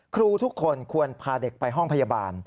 ครูทุกคนควรพาเด็กไปห้องพยาบาล